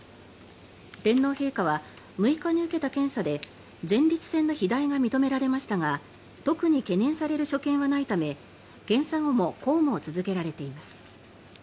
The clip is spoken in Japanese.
天皇陛下は６日に受けた検査で前立腺の肥大が認められましたが特に懸念される所見はないため検査後も公務を続けられています。